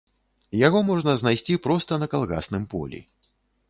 Яго можна знайсці проста на калгасным полі.